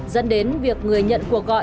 dân đến việc người nhận cuộc gọi